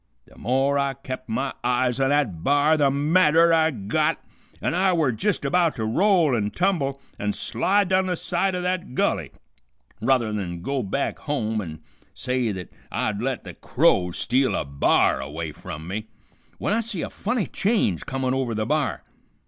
The more I kept my eyes on that b'ar the madder I got, an' I were jist about to roll and tumble an' slide down the side o' that gulley ruther than go back home an' say th't I'd let the crows steal a b'ar away from me, w'en I see a funny change comin' over the b'ar.